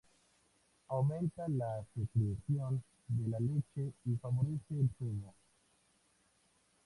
Aumenta la secreción de la leche y favorece el cebo.